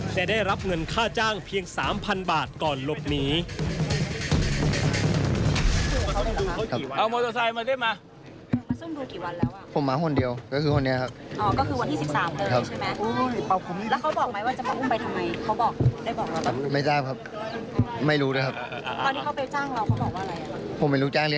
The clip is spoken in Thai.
จะได้รับเงินค่าจ้างเพียง๓๐๐๐บาทก่อนหลบหนี